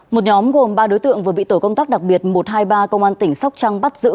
một nhóm gồm ba đối tượng vừa bị tổ công tác đặc biệt một trăm hai mươi ba công an tỉnh sóc trăng bắt giữ